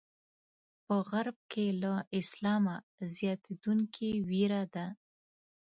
په غرب کې له اسلامه زیاتېدونکې وېره ده.